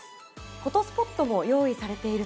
フォトスポットも用意されているとか？